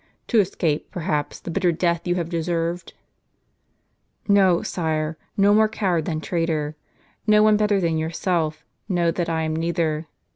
To escape, perhaps, the bitter death you have deserved !"" No, su e ; no more coward than traitor. No one better than yourself knows that I am neither.